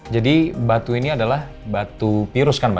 jadi batu ini adalah batu virus kan mbak